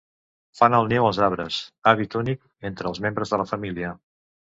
Fan el niu als arbres, hàbit únic entre els membres de la família.